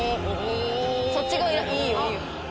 そっち側はいいよ。